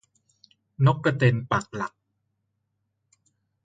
นกกระเต็นปักหลัก